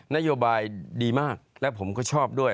นโยบายดีมากและผมก็ชอบด้วย